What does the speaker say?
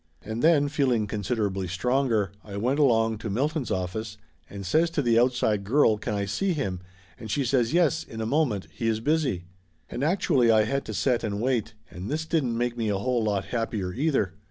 And then, feeling considerably stronger, I went along to Milton's office and says to the outside girl can I see him and she says yes, in a moment, he is busy. And actually I had to set and wait, and this didn't make me a whole lot happier, either.